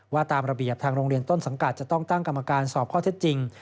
ตามระเบียบทางโรงเรียนต้นสังกัดจะต้องตั้งกรรมการสอบข้อเท็จจริง